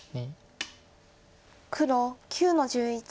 黒９の十一。